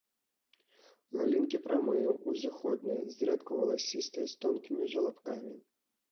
Галінкі прамыя, узыходныя, зрэдку валасістыя, з тонкімі жалабкамі.